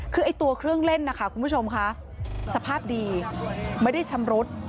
คือตัวเครื่องเล่นสภาพดีไม่ได้ชำรุด